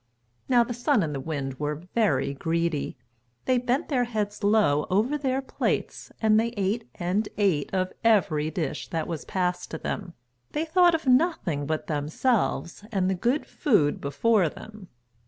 Now the Sun and the Wind were very greedy. They bent their heads low over their plates and they ate and ate of every dish that was passed to them. They thought of nothing but themselves and the good food before them.